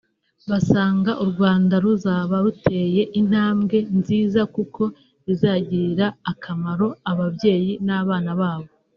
Basanga u Rwanda ruzaba ruteye intambwe nziza kuko bizagirira akamaro ababyeyi n’abana babo